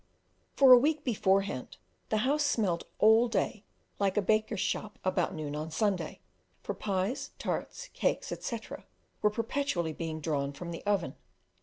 For a week beforehand the house smelt all day long like a baker's shop about noon on Sunday, for pies, tarts, cakes, etc., were perpetually being "drawn" from the oven.